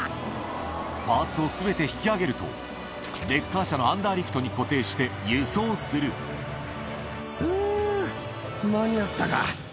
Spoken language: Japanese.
パーツをすべて引き上げると、レッカー車のアンダーリフトに固定して、ふー、間に合ったか。